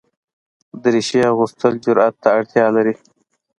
دریشي اغوستل جرئت ته اړتیا لري.